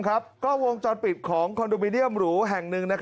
กล้องวงจรปิดของคอนโดมิเนียมหรูแห่งหนึ่ง